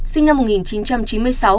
sinh năm một nghìn chín trăm chín mươi sáu